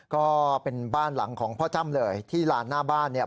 ก็เป็นบ้านหลังของพ่อจ้ำเลยที่ลานหน้าบ้านเนี่ย